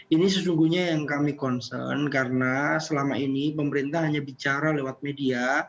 ini sesungguhnya yang kami concern karena selama ini pemerintah hanya bicara lewat media